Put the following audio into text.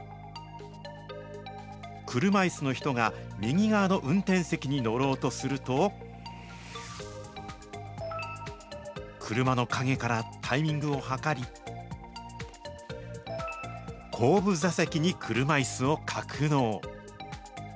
車いすの人が、右側の運転席に乗ろうとすると、車の陰からタイミングを計り、後部座席に車いすを格納。